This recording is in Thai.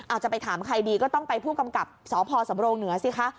จะไปถามใครดีก็ต้องไปผู้กำกับสพสำโรงเหนือสิคะ